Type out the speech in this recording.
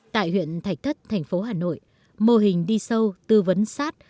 tại huyện thạch thất thành phố hà nội mô hình đi sâu tư vấn sát